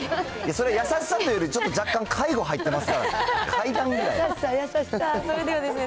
それ優しさというより、ちょっと若干、介護入ってますからね